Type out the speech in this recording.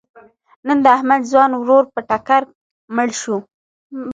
نن د احمد ځوان ورور په ټکر مړ شو.